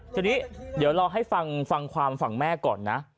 ทีนี้เดี๋ยวรอให้ฟังความฝั่งแม่ก่อนนะ